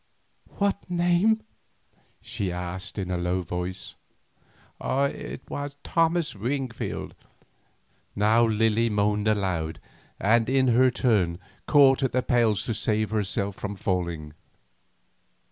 "What name?" she asked in a low voice. "Thomas Wingfield." Now Lily moaned aloud, and in her turn caught at the pales to save herself from falling.